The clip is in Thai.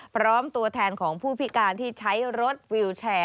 พร้อมตัวแทนของผู้พิการที่ใช้รถวิวแชร์